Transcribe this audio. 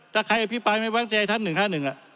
ถ้าใครอภิปรไม่แม้แว้งที่ยายท่าน๑คะ๑อ่ะ